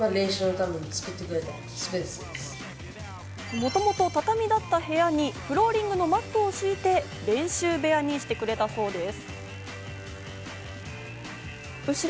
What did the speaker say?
もともと畳だった部屋にフローリングのマットを敷いて練習部屋にしてくれたそうです。